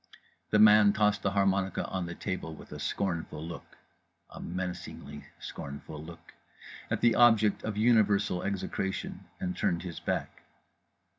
The man tossed the harmonica on the table with a scornful look (a menacingly scornful look) at the object of universal execration; and turned his back.